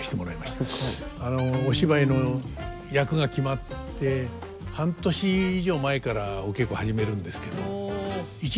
すごい。お芝居の役が決まって半年以上前からお稽古始めるんですけど。